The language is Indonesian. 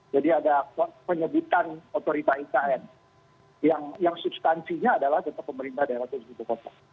jadi ada penyebutan otorita ikn yang substansinya adalah pemerintah daerah khusus ibu kota